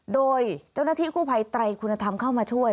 โดยเจ้าหน้าที่กู้ภัยไตรคุณธรรมเข้ามาช่วย